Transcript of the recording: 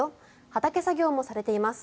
畑作業もされています。